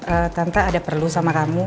eh tante ada perlu sama kamu